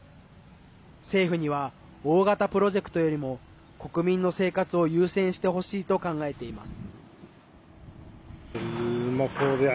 政府には大型プロジェクトよりも国民の生活を優先してほしいと考えています。